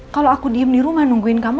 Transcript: kalau aku diem di rumah nungguin kamu